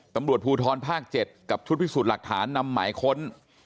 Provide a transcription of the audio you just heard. ตำรวจภูทรภาค๗กับชุดพิสูจน์หลักฐานนำหมายค้น